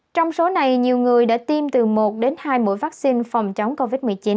trong số này nhiều người đã tiêm từ một đến hai mũi vaccine phòng chống covid một mươi chín